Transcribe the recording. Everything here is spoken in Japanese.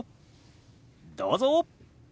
どうぞ！